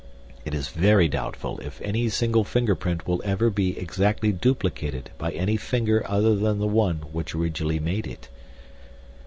It is very doubtful if any single fingerprint will ever be exactly duplicated by any finger other than the one which originally made it."